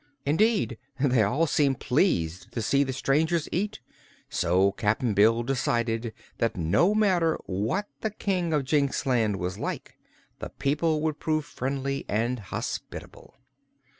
Indeed they all seemed pleased to see the strangers eat, so Cap'n Bill decided that no matter what the King of Jinxland was like, the people would prove friendly and hospitable.